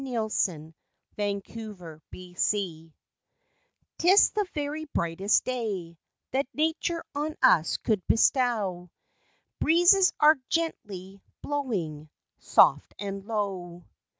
60 LIFE WAVES A DAY Tis the very brightest day, That nature on us could bestow, Ereezes are gently blowing Soft and low.